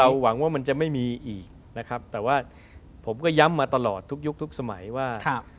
หวังว่ามันจะไม่มีอีกนะครับแต่ว่าผมก็ย้ำมาตลอดทุกยุคทุกสมัยว่า